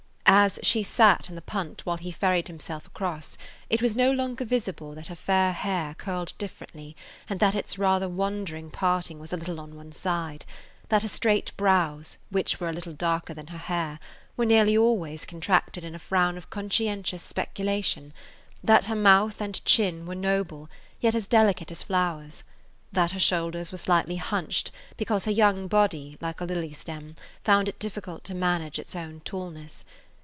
As she sat in the punt while he ferried himself across it was no longer visible that her fair hair curled differently and that its rather wandering parting was a little on one side; that her straight brows, which were a little darker than her hair, were nearly always contracted in a frown of conscientious speculation; that her mouth and chin were noble, yet as delicate as flowers; that her shoulders were slightly hunched because her young body, like a lily stem, found it difficult to manage its own tallness.